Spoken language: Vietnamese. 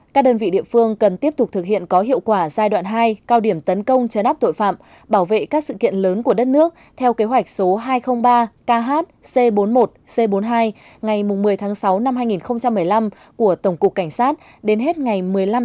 các đơn vị địa phương cần tiếp tục thực hiện có hiệu quả giai đoạn hai cao điểm tấn công chấn áp tội phạm bảo vệ các sự kiện lớn của đất nước theo kế hoạch số hai trăm linh ba kh c bốn mươi một c bốn mươi hai ngày một mươi sáu hai nghìn một mươi năm của tổng cục cảnh sát đến hết ngày một mươi năm chín hai nghìn một mươi năm